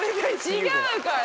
違うから。